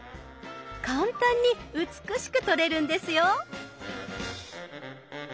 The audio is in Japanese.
簡単に美しく撮れるんですよ。